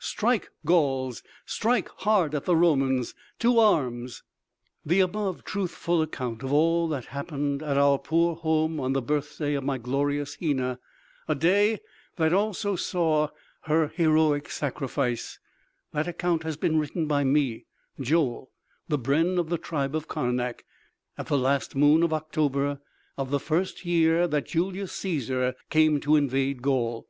Strike, Gauls! Strike hard at the Romans! To arms!" The above truthful account of all that happened at our poor home on the birthday of my glorious Hena, a day that also saw her heroic sacrifice that account has been written by me, Joel, the brenn of the tribe of Karnak, at the last moon of October of the first year that Julius Cæsar came to invade Gaul.